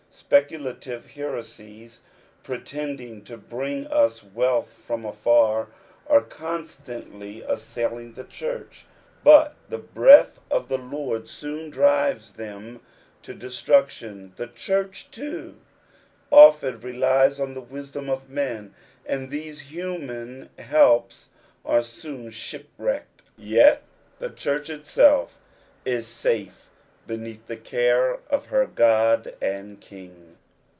Bpeculatire heresies, pretending to bring us wealth from afar, are cmstaDtly assailing the church, but the breath of the Lord soon drives them to destruction. The church too often relies on the wisdom of men, and these human helps are soon shipwrecked ; yet the church itself is safe beneath the care of her Odd and King.